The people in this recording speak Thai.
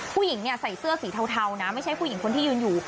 ผู้หญิงใส่เสื้อสีเทานะไม่ใช่ผู้หญิงคนที่ยืนอยู่